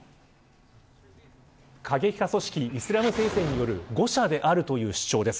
過激派組織イスラム聖戦による誤射であるという主張です。